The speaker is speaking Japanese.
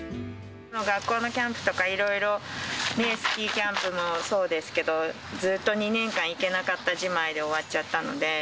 学校のキャンプとかいろいろ、スキーキャンプもそうですけど、ずっと２年間行けなかったじまいで終わっちゃったので。